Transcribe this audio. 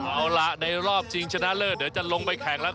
เอาล่ะในรอบชิงชนะเลิศเดี๋ยวจะลงไปแข่งแล้ว